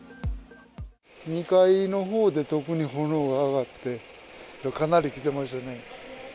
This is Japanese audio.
２階のほうで特に炎が上がって、かなり来てましたね。